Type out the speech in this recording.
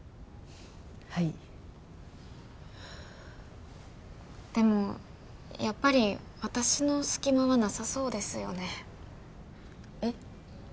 はいでもやっぱり私の隙間はなさそうですよねえっ？